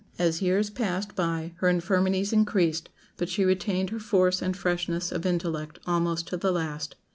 As years passed by her infirmities increased, but she retained her force and freshness of intellect almost to the last.